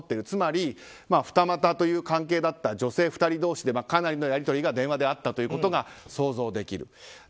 つまり二股という関係だった女性２人同士でかなりのやり取りが電話であったということが想像できる。